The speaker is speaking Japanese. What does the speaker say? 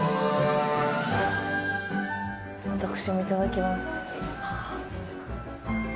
私もいただきます。